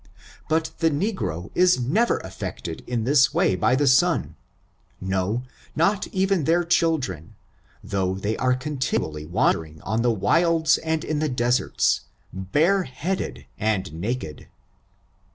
But the negro is never affect ed in this way by the sun ; no, not even their chil dren, though they are continually wandering on the wilds and in the deserts, bare headed and naked.